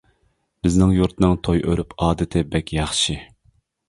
بىزنىڭ يۇرتنىڭ توي ئۆرۈپ ئادىتى بەك ياخشى.